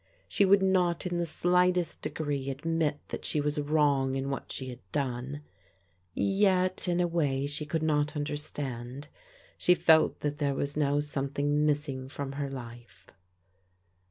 She would not in the slightest degree admit that she was wrong in what she had done; yet, in a way she could not under stand, she felt that there was now something missing from her life.